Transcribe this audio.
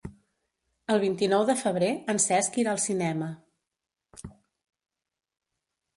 El vint-i-nou de febrer en Cesc irà al cinema.